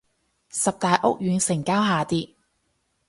十大屋苑成交下跌